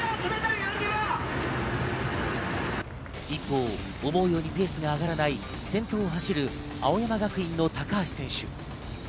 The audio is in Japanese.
一方、思うようにペースが上がらない、先頭を走る青山学院の高橋選手。